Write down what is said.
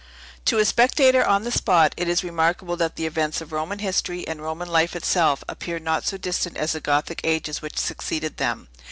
To a spectator on the spot, it is remarkable that the events of Roman history, and Roman life itself, appear not so distant as the Gothic ages which succeeded them.